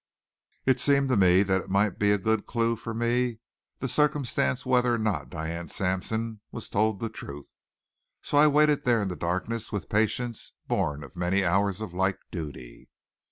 It seemed to me that it might be a good clue for me the circumstance whether or not Diane Sampson was told the truth. So I waited there in the darkness with patience born of many hours of like duty.